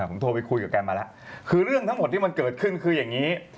ผมโทรไปคุยกับแกมาแล้วคือเรื่องทั้งหมดที่มันเกิดขึ้นคืออย่างนี้